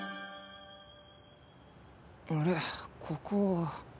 あれここは。